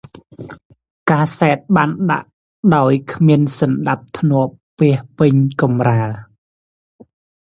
កាសែតបានដាក់ដោយគ្មានសណ្តាប់ធ្នាប់ពាសពេញកំរាល ។